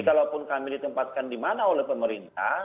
kalaupun kami ditempatkan di mana oleh pemerintah